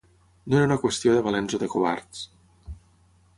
No era una qüestió de valents o de covards.